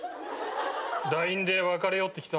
ＬＩＮＥで「別れよう」って来た。